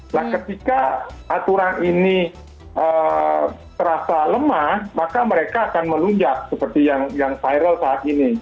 nah ketika aturan ini terasa lemah maka mereka akan melunjak seperti yang viral saat ini